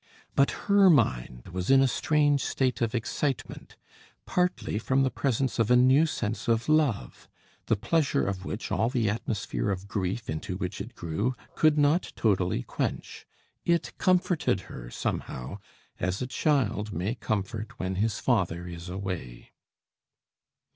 But her mind was in a strange state of excitement, partly from the presence of a new sense of love, the pleasure of which all the atmosphere of grief into which it grew could not totally quench. It comforted her somehow, as a child may comfort when his father is away.